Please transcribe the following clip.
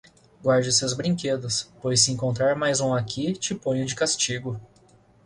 Guarde os seus brinquedos, pois se encontrar mais um aqui te ponho de castigo.